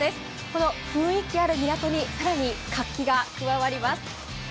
この雰囲気ある港に更に活気が加わります。